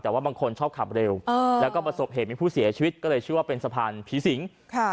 แต่ว่าบางคนชอบขับเร็วแล้วก็ประสบเหตุมีผู้เสียชีวิตก็เลยชื่อว่าเป็นสะพานผีสิง